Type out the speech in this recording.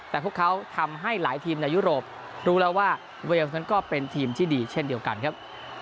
แต่พวกเขาทำให้หลายทีมในยุโรปรู้แล้วว่าเวลสนั้นก็เป็นทีมที่ดีเช่นเดียวกันครับ